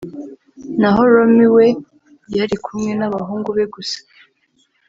naho Romney we yari kumwe n’abahungu be gusa